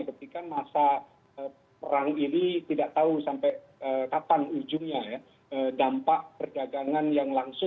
kita mengakui yang menurut online